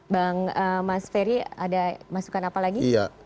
bang mas ferry ada masukan apa lagi